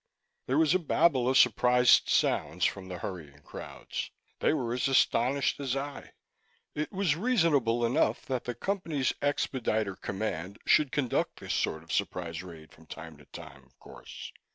There was a babble of surprised sounds from the hurrying crowds; they were as astonished as I. It was reasonable enough that the Company's expediter command should conduct this sort of surprise raid from time to time, of course.